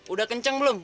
udah kenceng belum